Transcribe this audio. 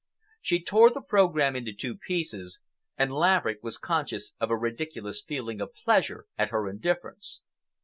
She tore the programme into two pieces, and Laverick was conscious of a ridiculous feeling of pleasure at her indifference.